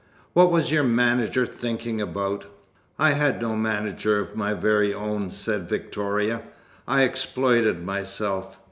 What was your manager thinking about?" "I had no manager of my very own," said Victoria. "I 'exploited' myself.